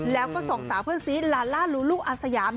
แล้วก็สองสาวเพื่อนซีลาล่าลูลูอาสยาม